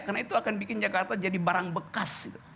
karena itu akan bikin jakarta jadi barang bekas